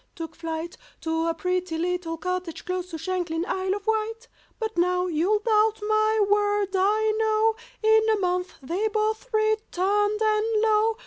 took flight To a pretty little cottage close to Shanklin, Isle of Wight. But now—you'll doubt my word, I know— In a month they both returned, and lo!